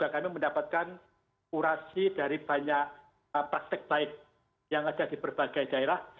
kami mendapatkan kurasi dari banyak praktek baik yang ada di berbagai daerah